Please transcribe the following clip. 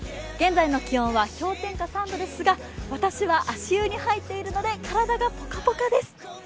現在の気温は氷点下３度ですが、私は足湯に入っているので、体がポカポカです。